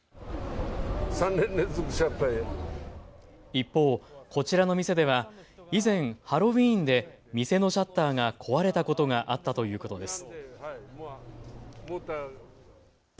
一方、こちらの店では以前、ハロウィーンで店のシャッターが壊れたことがあったということです。